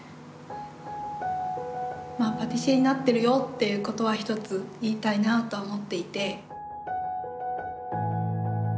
まあ「パティシエになってるよ」っていうことはひとつ言いたいなとは思っていて。